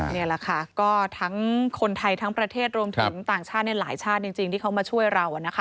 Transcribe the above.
นี่แหละค่ะก็ทั้งคนไทยทั้งประเทศรวมถึงต่างชาติในหลายชาติจริงที่เขามาช่วยเรานะคะ